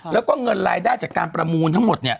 แล้วก็เงินรายได้จากการประมูลทั้งหมดเนี่ย